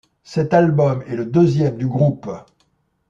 Cet album est le deuxième du groupe.